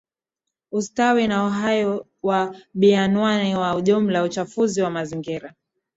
ustawi na uhai wa bioanuwai kwa ujumlaUchafuzi wa mazingira